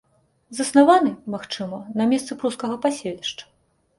Заснаваны, магчыма, на месцы прускага паселішча.